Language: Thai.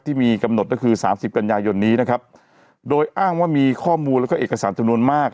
ที่มีกำหนดก็คือสามสิบกันยายนนี้นะครับโดยอ้างว่ามีข้อมูลแล้วก็เอกสารจำนวนมาก